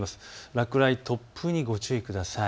落雷、突風にご注意ください。